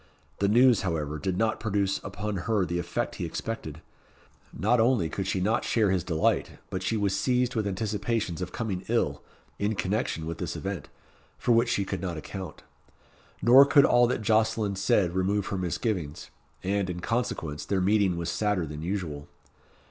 The news, however, did not produce upon her the effect he expected. Not only she could not share his delight, but she was seized with anticipations of coming ill, in connection with this event, for which she could not account. Nor could all that Jocelyn said remove her misgivings; and, in consequence, their meeting was sadder than usual.